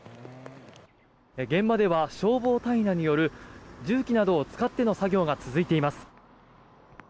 現場では消防隊員らによる重機などを使っての作業が続いています。